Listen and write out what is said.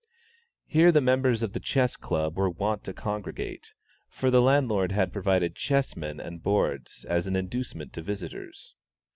Here the members of the Chess Club were wont to congregate; for the landlord had provided chessmen and boards as an inducement to visitors.